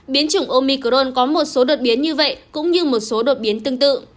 biến chủng omicron có một số đột biến như vậy cũng như một số đột biến tương tự